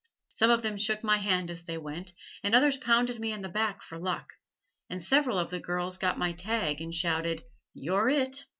Some of them shook my hand as they went, and others pounded me on the back for luck, and several of the girls got my tag and shouted, "You're it!"